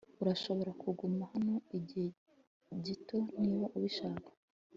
Urashobora kuguma hano igihe gito niba ubishaka